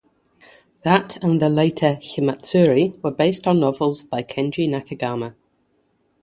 That and the later "Himatsuri" were based on novels by Kenji Nakagami.